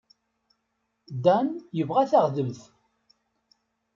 Dan yebɣa taɣdemt.